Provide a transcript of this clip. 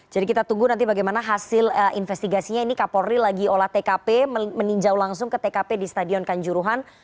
kita tunggu nanti bagaimana hasil investigasinya ini kapolri lagi olah tkp meninjau langsung ke tkp di stadion kanjuruhan